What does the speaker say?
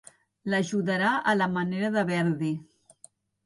L'ajudarà a la manera de Verdi.